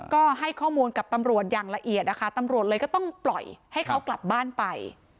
ก็ให้ข้อมูลกับตำรวจอย่างละเอียดนะคะตำรวจเลยก็ต้องปล่อยให้เขากลับบ้านไป